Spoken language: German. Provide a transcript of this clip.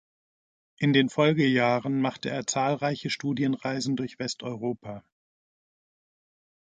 In den Folgejahren machte er zahlreiche Studienreisen durch Westeuropa.